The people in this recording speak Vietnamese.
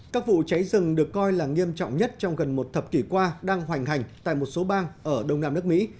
các vụ cháy rừng được coi là nghiêm trọng nhất trong gần một thập kỷ qua đang hoành hành tại một số bang ở đông nam nước mỹ